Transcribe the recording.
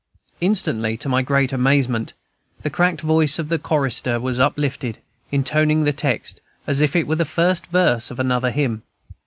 Instantly, to my great amazement, the cracked voice of the chorister was uplifted, intoning the text, as if it were the first verse of another hymn.